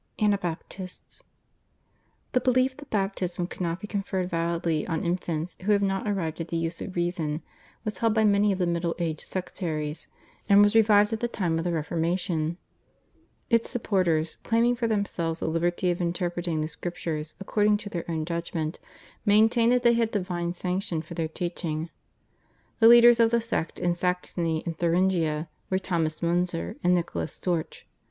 /Anabaptists/. The belief that baptism could not be conferred validly on infants who have not arrived at the use of reason was held by many of the Middle Age sectaries, and was revived at the time of the Reformation. Its supporters, claiming for themselves the liberty of interpreting the Scriptures according to their own judgment, maintained that they had divine sanction for their teaching. The leaders of the sect in Saxony and Thuringia were Thomas Munzer and Nicholas Storch.